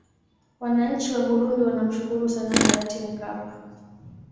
wananchi wa burundi wanamshukuru sana hayati mkapa